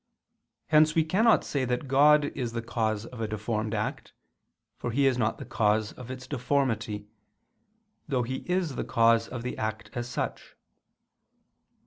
Hence we cannot say that God is the cause of a deformed act, for He is not the cause of its deformity, though He is the cause of the act as such.